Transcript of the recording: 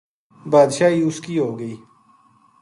بادشاہی ا س کی ہو گئی